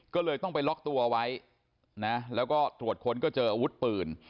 ก็เลยต้องไปล็อกตัวไว้นะแล้วก็ตรวจค้นก็เจออาวุธปืน